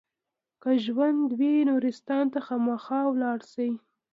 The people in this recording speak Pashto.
که ژوندي وي نورستان ته خامخا لاړ شئ.